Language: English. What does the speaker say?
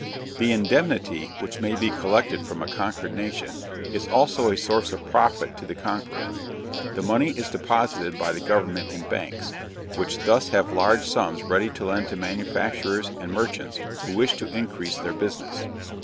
The indemnity which may be collected from a conquered nation is also a source of profit to the conqueror. The money is deposited by the government in banks, which thus have large sums ready to lend to manufacturers and merchants who wish to increase their business.